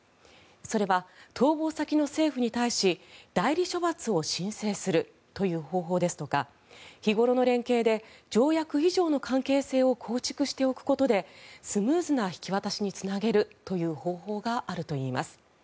それは逃亡先の政府に対し代理処罰を申請するという方法ですとか日頃の連携で条約以上の関係性を構築しておくことでスムーズな引き渡しにつなげるという方法があるといいます。